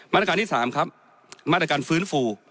มาตรการที่๓ครับมาตรการฟื้นฟู